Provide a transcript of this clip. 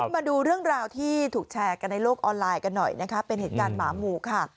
มาดูเรื่องราวที่ถูกแชร์กันในโลกออนไลน์กันหน่อยนะคะเป็นเหตุการณ์หมาหมู่ค่ะ